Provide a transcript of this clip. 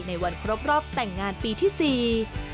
ในวันครบรอบแต่งงานปีที่สี่